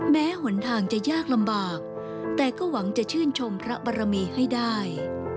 หนทางจะยากลำบากแต่ก็หวังจะชื่นชมพระบรมีให้ได้